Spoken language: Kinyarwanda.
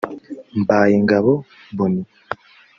Mbayingabo Bonnie